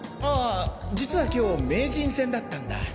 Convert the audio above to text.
ああ実は今日名人戦だったんだ。